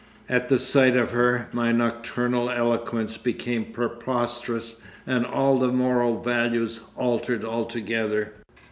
At the sight of her my nocturnal eloquence became preposterous and all the moral values altered altogether.